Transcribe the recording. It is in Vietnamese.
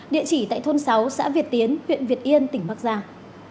địa chỉ tại thôn sáu xã việt tiến huyện việt yên tỉnh bắc giang